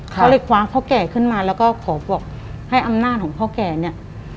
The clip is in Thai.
เขาเลยคว้างพ่อแก่ขึ้นมาแล้วก็ขอบอกให้อำนาจของพ่อแก่เนี่ย